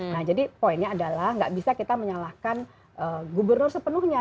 nah jadi poinnya adalah nggak bisa kita menyalahkan gubernur sepenuhnya